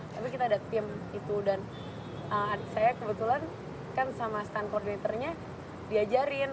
tapi kita ada tim itu dan saya kebetulan kan sama stand koordinatornya diajarin